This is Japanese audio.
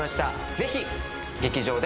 ぜひ劇場で。